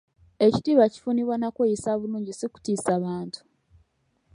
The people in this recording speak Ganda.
Ekitiibwa kifunibwa na kweyisa bulungi si kutiisa bantu.